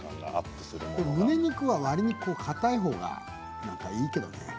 むね肉は、わりにかたいほうがいいけどね。